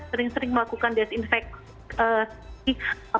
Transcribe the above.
sering sering melakukan desinfeksi